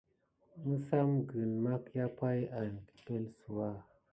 Məsamgəŋ mahkià pay an kəpelsouwa.